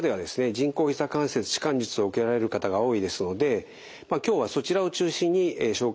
人工ひざ関節置換術を受けられる方が多いですので今日はそちらを中心に紹介したいと思います。